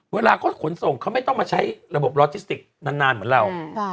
เวลาเขาขนส่งเขาไม่ต้องมาใช้ระบบลอจิสติกนานเหมือนเรา